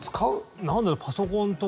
なんだろうパソコンとか？